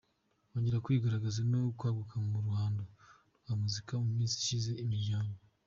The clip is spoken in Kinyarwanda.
kongera kwigaragaza no kwaguka mu ruhando rwa muzika, mu minsi ishize imiryango.